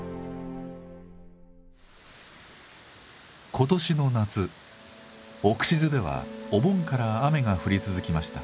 今年の夏オクシズではお盆から雨が降り続きました。